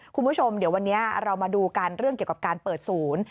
คุณผู้ชมเดี๋ยววันนี้เรามาดูกันเรื่องเกี่ยวกับการเปิดศูนย์